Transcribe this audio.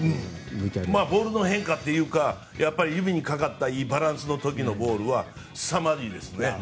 ボールの変化というかやっぱり指にかかったりバランスの時のボールはすさまじいですね。